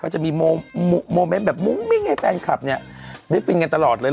จะมีโมเมนต์แบบมุ้งมิ้งให้แฟนคลับเนี่ยได้ฟินกันตลอดเลย